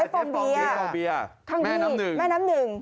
ข้างที่แม่น้ำหนึ่งแม่น้ำหนึ่ง